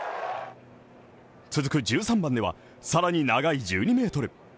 続く１３番ではさらに長い１２ｍ。